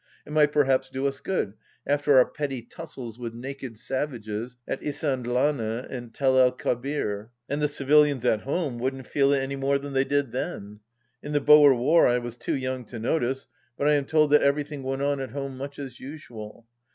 It might perhaps do us good, after our petty tussles with naked savages at Isandlana and Tel el Kebir. And the civilians at home wouldn't feel it any more than they did then. In the Boer War I was too young to notice, but I am told that everything went on at home much as usual.